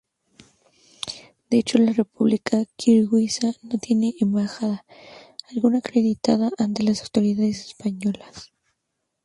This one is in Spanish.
De hecho, la República Kirguisa no tiene embajada alguna acreditada ante las autoridades españolas.